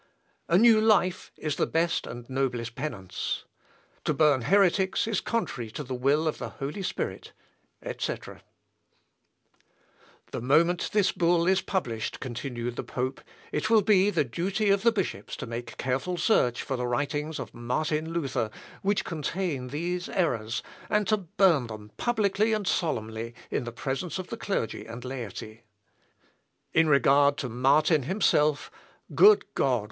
"A new life is the best and noblest penance." "To burn heretics is contrary to the will of the Holy Spirit, etc." [Sidenote: MELANCTHON.] "The moment this Bull is published," continued the pope, "it will be the duty of the bishops to make careful search for the writings of Martin Luther, which contain these errors, and to burn them publicly and solemnly in presence of the clergy and laity. In regard to Martin himself, good God!